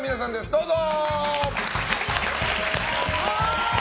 どうぞ！